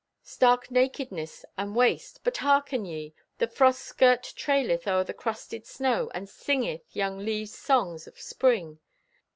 Stark nakedness and waste—but hearken ye! The frost skirt traileth o'er the crusted snow And singeth young leaves' songs of Spring.